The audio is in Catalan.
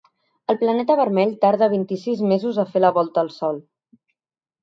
El planeta vermell tarda vint-i-sis mesos a fer la volta al sol.